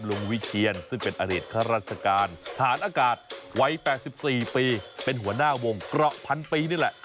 วิเชียนซึ่งเป็นอดีตข้าราชการฐานอากาศวัย๘๔ปีเป็นหัวหน้าวงเกราะพันปีนี่แหละ